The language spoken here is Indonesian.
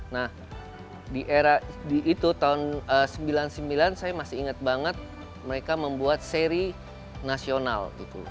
nah di era itu tahun sembilan puluh sembilan saya masih ingat banget mereka membuat seri nasional